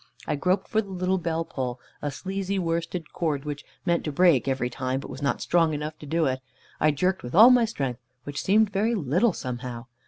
I groped for the little bell pull, a sleezy worsted cord, which meant to break every time, but was not strong enough to do it. I jerked with all my strength, which seemed very little somehow.